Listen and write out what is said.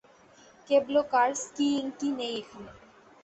Cable car, skiing কী নেই এখানে।